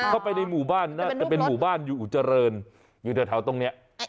เข้าไปในหมู่บ้านนะมันเป็นหมู่บ้านอยู่อุจรนอยู่เถอะเท่าตรงนี้